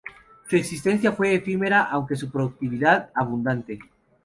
Su existencia fue efímera aunque su productividad abundante.